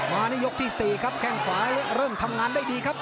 ในยกที่๔ครับแข้งขวาเริ่มทำงานได้ดีครับ